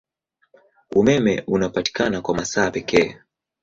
Umeme unapatikana kwa masaa pekee.